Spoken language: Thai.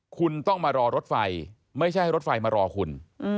คุณต้องมารอรถไฟไม่ใช่ให้รถไฟมารอคุณ